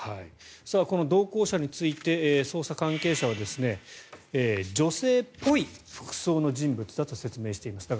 この同行者について捜査関係者は女性っぽい服装の人物だと説明していました。